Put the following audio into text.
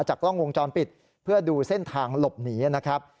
กล้องวงจรปิดเพื่อดูเส้นทางหลบหนีนะครับ